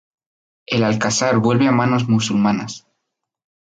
El Alcázar vuelve a manos musulmanas.